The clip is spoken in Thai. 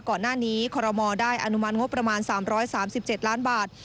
ก่อนหน้านี้คอรมอลได้อนุมัติงบประมาณ๓๓๗ล้านบาท